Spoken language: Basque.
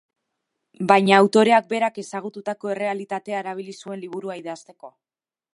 Baina autoreak berak ezagututako errealitatea erabili zuen liburua idazteko.